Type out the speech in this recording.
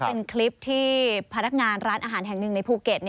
เป็นคลิปที่พนักงานร้านอาหารแห่งหนึ่งในภูเก็ต